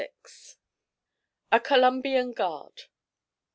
A COLUMBIAN GUARD.